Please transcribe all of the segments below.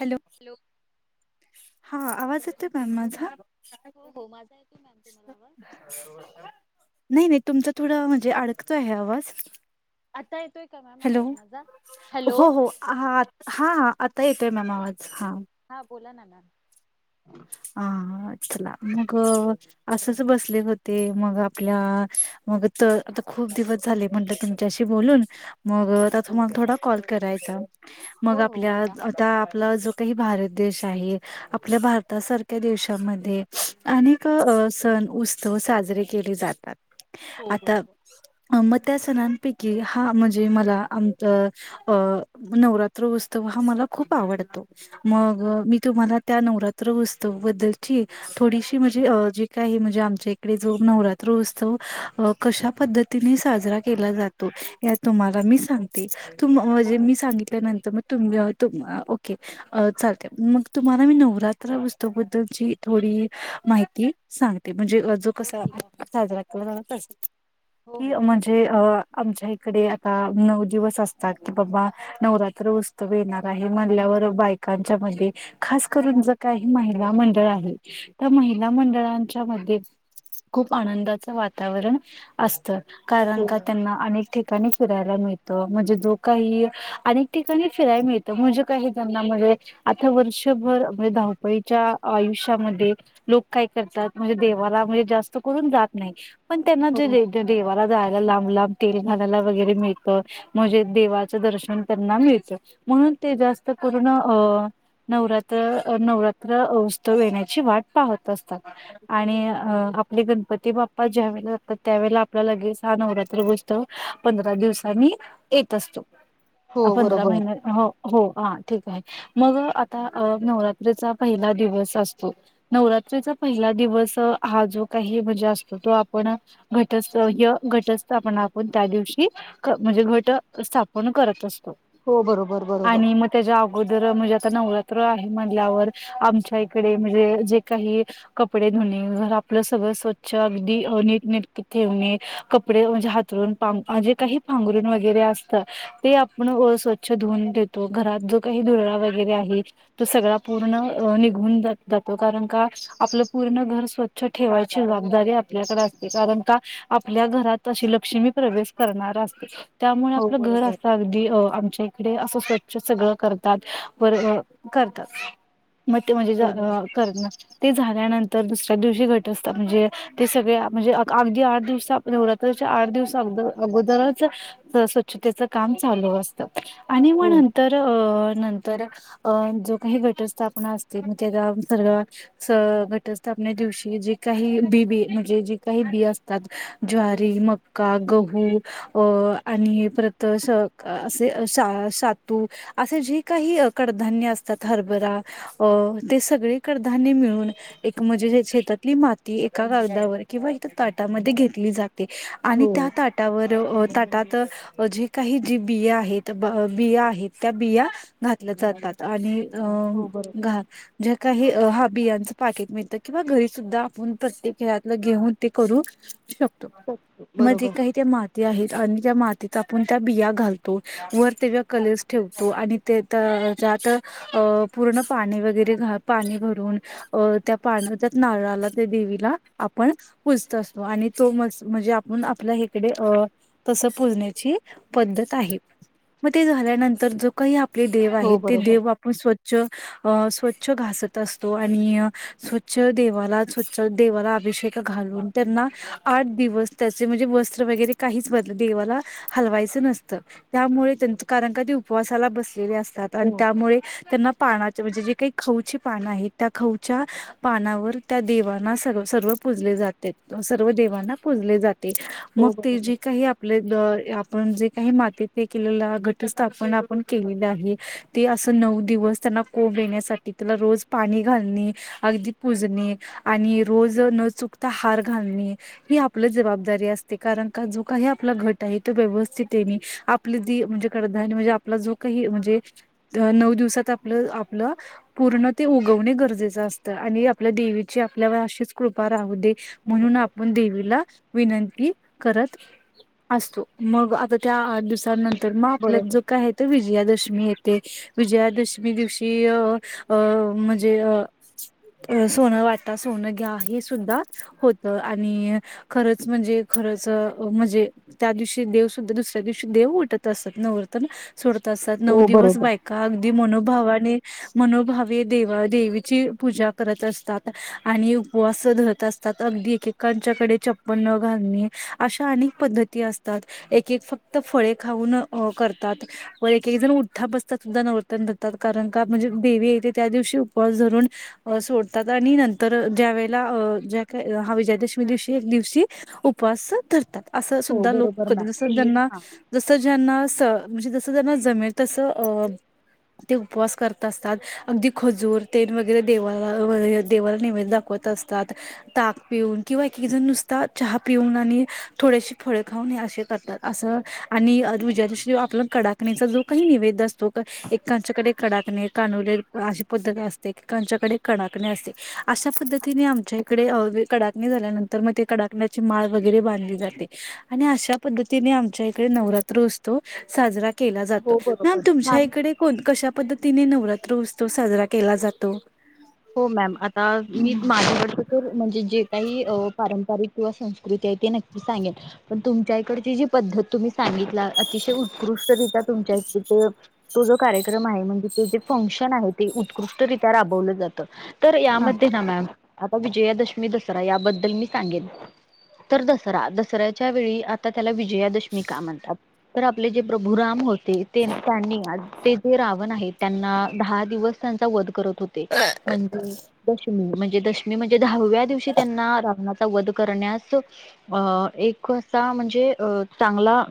Hello लोक हा आवाज येतोय पॅम माझा हो हो माझा येतोय मॅम तुम्हाला आवाज? नाही नाही तुमचा थोडा म्हणजे अडकतो आहे आवाज आता येतोय का मॅम हॅलो आवाज माझा हॅलो हो हो हा हा हा आता येतोय मॅम आवाज हा हा बोला ना मॅम हह आतला मग असच बसले होते मग आपल्या मग तर आता खूप दिवस झाले म्हटले तुमच्याशी बोलून मग हो त्या त हो मला थोडा कॉल करायचा मग हो हो आपल्या बोला आता आपला जो काही भारत देश आहे आपल्या भारत आता सारख्या देवशांमध्ये अनेक सण उत्सव साजरे केले जातात हो आता बरोबर मग त्या सणांपैकी हा म्हणजे मला आमच अ नवरात्र उत्सव हा मला खूप आवडतो मग हो. मी तुम्हाला त्या नवरात्र उत्सव बद्दलची थोडीशी म्हणजे अ जे काय आहे म्हणजे आमच्या इकडे जो नवरात्र उत्सव कशा पद्धतीने साजरा केला जातो या तुम्हाला मी सांगते. तम हो म्हणजे हो. मी सांगितल्यानंतर तुम तुम ओके चालत मग तुम्हाला मी नवरात त्रवस्त बद्दलची थोडी माहिती सांगते म्हणजे हो कसा ठीक आहे साजरा केला तसा हो की हो चालेल म्हणजे अ चालेल. आमच्या इकडे आता नऊ दिवस असतात की बाबा नवरात्र उत्सव येणार आहे म्हणल्यावर बायकांच्या मध्ये खास करून ज काही महिला मंडळ आहे त्या महिला हां मंडळांच्या मध्ये खूप आनंदाच वातावरण असत कारण का हो त्यांना अनेक ठीक ठिकाणी फिरायला मिळत म्हणजे जो काही अनेक ठिकाणी फिरायला मिळत म्हणजे काही त्यांना म्हणजे आता वर्षभर म्हणजे धावपळीच्या आयुष्यामध्ये लोक काय करतात म्हणजे देवाला म्हणजे जास्त करून जात नाही पण त्यांना जे हो देवाला जायला लांब लांब तेल घायला वगैरे मिळतं. म्हणजे देवाचं दर्शन त्यांना मिळत म्हणून ते जास्त करून अ नवरात्र नवरात्र उत्सव येण्याची वाट पाहत असतात. आणि अ आपले गणपती बाप्पा ज्यावेळेला जातात त्यावेेळेला आपल्या लगेच हा नवरात्र त पंधरा दिवसानि येत असतो. हो पंधरा बरोबर महिन हो हो ह ठीक आहे मग आता अ नवरात्रीचा पहिला दिवस असतो. नवरात्रीचा पहिला दिवस अ हा जो काही म्हणजे असतो तो आपण घटस्थ य घटस्थपना आपन त्या दिवशी म्हणजे घट स्थापन करत असतो. हो बरोबर बरोबर. आणि मग त्याच्या अगोदर म्हणजे आता नवरात्र आहे म्हणल्यावर आमच्या इकडे म्हणजे जे काही कपडे धुणे घर आपलं सगळं स्वच्छ अगदी नीट नेटके ठेवणे कपडे म्हणजे हातरून जे काही पांघरूण वगैरे असतं. ते आपण स्वच्छ धुऊून देतो घरात जो काही धुरळा वगैरे आहे तो सगळा पूर्ण निघून जा जातो कारण का आपलं पूर्ण घर स्वच्छ ठेवायची जबाबदारी आपल्याकडे असते कारण का आपल्या घरात अशी लक्ष्मी प्रवेश करणार असते. त्यामुळे हो आपलं घर बरोबर असं अगदी आमचे इडे असं स्वच्छ सगळं करतात वर करतात. म ते म्हणजे हो बरोबर कर ना ते झाल्यानंतर दुसऱ्या दिवशी घटस्ता म्हणजे ते सगळे म्हणजे अगदी आठ दिवस नवरात्राच्या आठ दिवस अग अगोदरच स्वच्छतेच काम चालू अस आणि मग हो नंतर अ नंतर अ जो काही घटस स्थापना असते मग त्या सर्व स घटस्थापने दिवशी जे काही बी बी म्हणजे जी काही बी असतात ज्वारी मग का गहू अ आणि हे परत असे सातू असे जे काही कडधान्य असतात हरभरा अ ते सगळे कडधान्य मिळून एक म्हणजे शेतातली माती एका कागदावर किंवा इ ताटामध्ये घेतली जाते. हो आणि त्या ताटावर ताटात जे काही जी बिया आहेत ब बिया आहेत त्या बिया घातल्या जातात. आणि अ हो बरोबर घा ज्या काही हा बियांचं पाकेट मिळतं किंवा घरी सुद्धा आपण प्रत्येक खेळतलं घेऊन ते करू. शकतो मध्ये बरोबर काही त्या मात आहेत आणि त्या मातीत आपण त्या बिया घालतो वर तेव्हा कलर्स ठेवतो आणि ते तर त्यात पूर्ण पाणी वगैरे घ पाणी भरून अ त्या पाणत्यात नारळाला त्या देवीला आपण. पूजत असतो. आणि तो म्हणजे आपण आपल्या हीकडे अ तस पुजण्याची पद्धत आहे. मग ते झाल्यानंतर ज काही आपले देव हो आहेत. ते बरोबर देव आपण स्वच्छ अ स्वच्छ घासत असतो. आणि स्वच्छ देवाला स्वच्छ देवाला अभिषेक घालून. त्यांना, आठ दिवस त्याचे म्हणजे वस्त्र वगैरे काहीच बदले देवाला हलवायचं नसतं त्यामुळे कारण का ते, उपवासाला बसलेले असतात. हो आणि त्यामुळे त्यांना पानाच म्हणजे जे काही खाउची पानं आहे. त्या खाउच्या पानावर त्या देवाांना सर्व सर्व जाते. सर्व देवांना पुजले जाते. मग हो ते बरोबर जे काही आपले आपण जे काही मातीत ते केलेलं घटस्थापना आपण केलेली आहे. ते असं नऊ दिवस, त्यांना कोंब येण्यासाठी. त्याला रोज पाणी घालणे. अगदी पुजणे. आणि रोज न चुकता हार घालणे. ही आपलं जबाबदारी असते. कारण का जो काही आपला घट आहे. तो व्यवस्थित येणे आपली ती म्हणजे कडधान्य म्हणजे आपला जो काही, म्हणजे नऊ दिवसात आपलं, आपलं पूर्ण ते उगवणे गरजेचं असतं. आणि आपल्या देवीची आपल्यावर अशीच कृपा राहू दे. हो म्हणून बरोबर आपण देवीला विनंती करत असतो. मग आता त्या आठ दिवसाांनं तर मग आपल्यात बरोबर जो काय आहे. तर विजयादशमी येते. विजयादशमी मी दिवशी अ अ म्हणजे अ अ सोनं वाटा. सोनं घ्या. हे सुद्धा होत. आणि खरंच म्हणजे, खरंच म्हणजे त्या दिवशी देवसुद्धा, दुसऱ्या दिवशी देव उठत असत. नवरात्रन सोडत असतात. नऊ हो दिवस बरोबर बायका अगदी मनोभावाने. मनोभावे देवा देवीची पूजा करत असतात. आणि उपवास धरत अस तात. अगदी एकेकांच्याकडे चप्पन न घालणे. अशा अनेक पद्धती असतात. एक एक फक्त फळे खाऊन करतात. व एक एक जण उठठा बसतात सुद्धा नवरात्रन कारण का, म्हणजे आई येते त्या दिवशी उपवास धरून अ सोडतात. आणि नंतर ज्या वेळेला अ ज्या का हा विजयादशमी दिवशी, एक दिवशी उपवास धरतात. असं हो सुद्धा लोक बरोबर कधी मॅम जस तुम्ही जना हा जसं ज्यांना स म्हणजे जसं ज्यांना जमेल तसं. अ ते उपवास करत असतात. अगदी खजूर ते वगैरे देवाला देवाला नैवेद्य दाखवत असतात. ताक पिऊन. किंवा एक एक जण नुसता चहा पिऊन, आणि थोडेसे फळे खाऊन. हे असे करतात. असं आणि अरुजाच्याशी आपला कडाकणीचा जो काही निवेद असतो. तो एक एकाच्याकडे कडाकणे, कानोले अशी पद्धत असते. एक एकाच्याकडे कडाकणे असते. अशा पद्धतीने आमच्या इकडे, कडाकणी झाल्यानंतर मग ते कडाकण्याची माळ वगैरे बांधली जाते. आणि अशा पद्धतीने आमच्या इकडे नवरात्र उत्सव साजरा केला जातो. हो मॅम बरोबर हा तुमच्या इकडे कोण कशा पद्धतीने नवरात्र उत्सव साजरा केला जातो. हो मॅम. आता मी माझ्याकडच म्हणजे जे काही अ पारंपरिक किंवा संस्कृती आहे. ते नक्की सांगेन. पण तुमच्या इकडची जी पद्धत, तुम्ही सांगितला. अतिशय उत्कृष्टरित्या तुमच्या इकड ते तो जो कार्यक्रम आहे. म्हणजे ते जे फंक्शन आहे. ते उत्कृष्टरित्या राबवलं जातं. तर हा यामध्ये ना मॅम. आता विजयादशमी दसरा याबद्दल मी सांगेन. तर दसरा. दसऱ्याच्या वेळी आता त्याला विजयादशमी का म्हणतात? तर आपले जे प्रभु राम होते. ते त्यांनी ते जे रावण आहे. त्यांना दहा दिवस त्यां वध करत होत ते. म्हणजे दशमी म्हणजे दशमी म्हणजे दहाव्या दिवशी त्यांना रावनाच वध करण्यास अ एक असा म्हणजे अ चांगला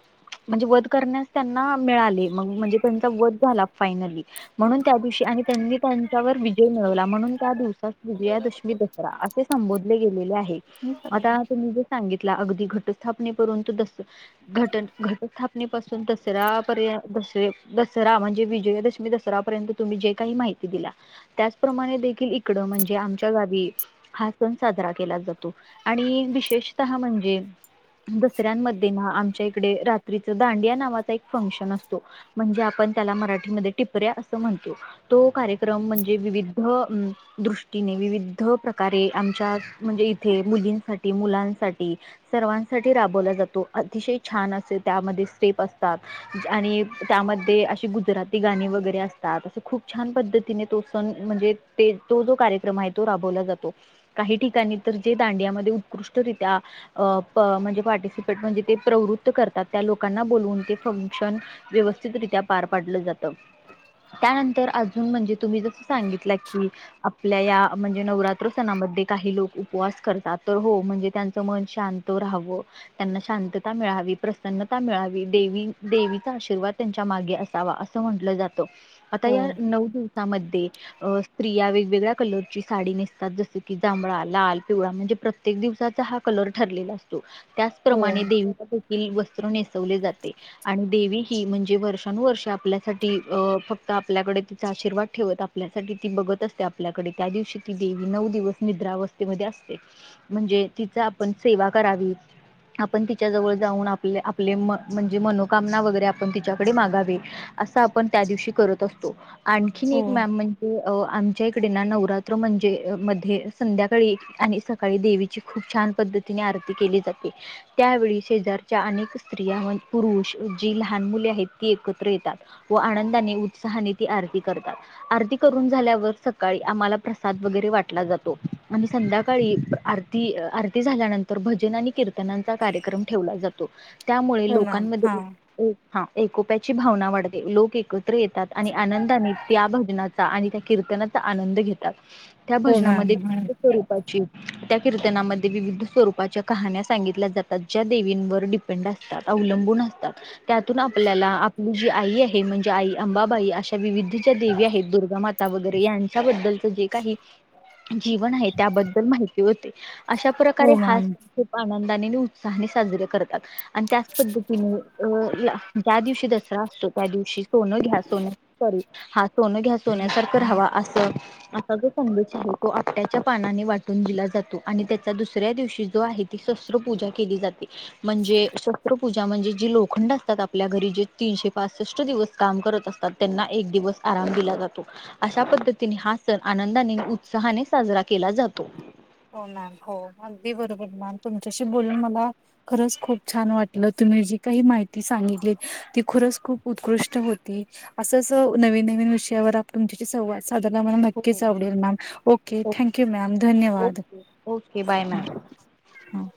म्हणजे वध करण्यास त्यांना मिळाले म्हणजे त्यांचा वध झाला. फायनली म्हणून त्या दिवशी त्यांनि त्यांनी त्यावर विजय मिळवला म्हणून त्या दिवसात विजयादशमी दसरा असे संबोधले गेलेले आहे. हो आता तुम्ही जे सांगितला अगदी घटस्थापनेपासुन ते दसरा घट घटक स्थापने पाासून दसरार्यंत दसरा म्हणजे विजयादशमी दसरा दसऱ्या पर्यंत तुम्ही जे काही माहिती दिला त्याचप्रमाणे इकडे म्हणजे आमच्या गावी हा सण साजरा केला जातो. आणि विशेषतः म्हणजे दसऱ्यांमध्ये आमच्या इकडे रात्रीच दांडिया नावाचा एक फंक्शन असतो. म्हणजे आपण त्याला मराठीमध्ये टिपऱ्या असं म्हणतो तो कार्यक्रम म्हणजे विविध हम. दृष्टीने, विविध प्रकारे आमच्या म्हणजे इथे मुलींसाठी मुलांसाठी सर्वांसाठी राबवला जातो. अतिशय छान असे त्यामध्ये स्टेप असतात. आणि त्यामध्ये अशी गुजराती गाणी वगैरे असतात असं खूप छान पद्धतीने तो सण म्हणजे ते तो जो कार्यक्रम आहे तो राबवला जातो. काही ठिकाणी तर जे दांडियामध्ये उत्कृष्टरित्या अ म्हणजे पार्टिसिपेट म्हणजे ते प्रवृत्त करतात त्या लोकांना बोलवून ते फंक्शन व्यवस्थितरित्या पार पाडलं जात. त्यानंतर अजून म्हणजे तुम्ही ज सांगितला की आपल्या या म्हणजे नवरात्र सणामध्ये काही लोक उपवास करतात तर हो म्हणजे त्यांचं मन शांत राहावे. त्यांना शांतता मिळावी, प्रसन्नता मिळावी, देवी देवीचा आशीर्वाद त्यांच्या मागे अस अस म्हटलं जात. आता या नऊ दिवसामध्ये अ स्त्रिया वेगवेगळ्या कलरची साडी नेसतात जस की जांभळा, लाल, पिवळा, म्हणजे प्रत्य प्रत्येक दिवसाचा हा कलर ठरलेला असतो. हो त्याचप्रमाणे देवी देखील वस्त्रे नेसवले जाते. आणि देवी ही म्हणजे वर्षानुवर्ष आपल्यासाठी अ फक्त आपल्याकडे तिचा आशीर्वाद ठेवत आपल्यासाठी ती बघत असते आपल्याकडे त्या दिवशी ती देवी नऊ दिवस निद्रावस्थेमध्ये असते. म्हणजे तिचा आपण सेवा करावी. आपण तिच्या जवळ जाऊन आपले आपले म्हणजे मनोकामना वगैरे आपण तिच्याकडे मागावे. अस आपण त्या दिवशी करत असतो. आणखीन हो एक मॅम म्हणजे आमच्या इकडे ना नवरात्र म्हणजे मध्ये संध्याकाळी आणि सकाळी देवीची खूप छान पद्धतीने तिने आरती केली जाते. त्यावेळी शेजारच्या अनेक स्त्रिया व पुरुष जी लहान मुले आहेत ती एकत्र येतात. व आनंदाने उत्साहाने ती आरती करतात. आरती करून झाल्यावर सकाळी आम्हाला प्रसाद वगैरे वाटला जातो. आणि संध्याकाळी आर आरती झाल्यानंतर भजन आणि कीर्तन ना कार्यक्रम ठेवला जातो. त्यामुळे हो मॅम हा लोकांमध्ये हा एकोप्याची भावना वाढते. लोक एकत्र येतात आणि आनंदाने त्या भजनाचा आणि त्या कीर्तनाचा आनंद घेतात त्या हो मॅम भजनामध्ये स्वरूपाची त्या कीर्तनामध्ये विविध स्वरूपाच्या कहाण्या सांगितल्या जातात ज्या देवींवर असतात. अवलंबून असतात. त्यातून आपल्याला आपली जी आई आहे म्हणजे आई अंबाबाई अशा विविध देवी आहेत दुर्गामाता वगैरे यांच्याबद्दलच जे काही जीवन आहे त्याबद्दल माहिती होते अशा प्रकारे हो हा मॅम सण आनंदाने, उत्साहाने साजरे करतात. आणि त्याच पद्धतीने अ ज्या दिवशी दसरा असतो त्या दिवशी सोनं घ्या सोनंसारखं सॉरी! हा सोनं घ्या सोन्यासारखं ऱ्हावा. असं असा जो संदेश आहे तो आपट्याच्या पानाने वाटून दिला जातो आणि त्याचा दुसऱ्या दिवशी जो आहे शस्त्र पूजा केली जाते. म्हणजे शस्त्रपूजा म्हणजे जे लोखंड असतात आपल्या घरी जे तीनशे पासष्ट दिवस काम करत असतात त्यांना एक दिवस आराम दिला जातो. अशा पद्धतीने हा सण आनंदाने उत्साहाने साजरा केला जातो. हो मॅम हो अगदी बरोबर मॅम तुमच्याशी बोलून मला खरंच खूप छान वाटलं तुम्ही जी काही माहिती सांगितली ती खुरच खूप उत्कृष्ट होती असंच नवीन नवीन विषयावर तुमच्या संवाद साधाला मला नक्कीच हो आवडेल ma'am okay thank you ma'am धन्यवाद ओके ओके बाय मॅम हं